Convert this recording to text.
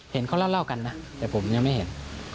เห็นเขาเล่ากันนะแต่ผมยังไม่เห็น